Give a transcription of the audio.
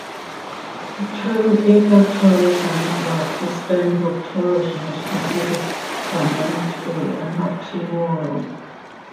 The term 'ecotourism', like 'sustainable tourism', is considered by many to be an oxymoron.